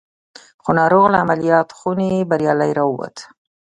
خو ناروغ له عمليات خونې بريالي را ووت.